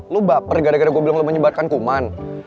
lo baper gara gara gue bilang lo menyebarkan kuman